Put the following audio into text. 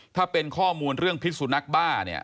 ถ้าเป็นข้อมูลเรื่องพิษสุนัขบ้าเนี่ย